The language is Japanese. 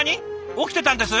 起きてたんです？